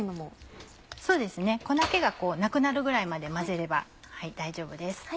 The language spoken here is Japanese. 粉気がなくなるぐらいまで混ぜれば大丈夫です。